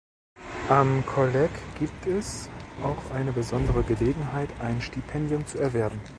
Am Kolleg gibt es auch eine besondere Gelegenheit, ein Stipendium zu erwerben.